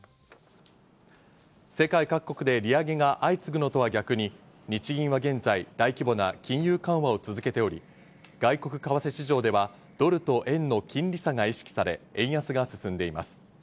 世界各国で利上げが相次ぐのとは逆に日銀は現在、大規模な金融緩和を続けており、外国為替市場ではドルと円の金利差が意識され、円安が進んでいます。